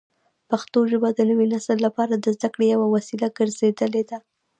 پښتو ژبه د نوي نسل لپاره د زده کړې یوه وسیله ګرځېدلې ده.